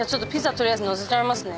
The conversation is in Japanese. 取りあえず載せちゃいますね。